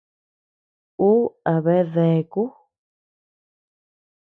Uu a bea deaku.